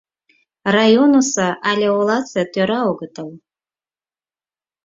— Районысо але оласе тӧра огытыл.